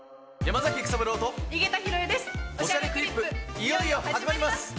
いよいよ始まります！